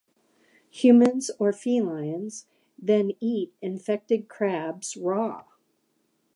Humans or felines then eat the infected crabs raw.